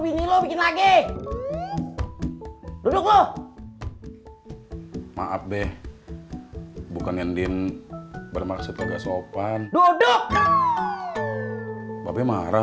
bikin lagi duduk loh maaf deh bukan yang din bermaksud agak sopan duduk babes marah